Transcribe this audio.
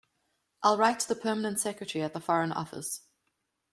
I’ll write to the Permanent Secretary at the Foreign Office.